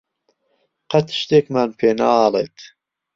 قەت شتێکمان پێ ناڵێت.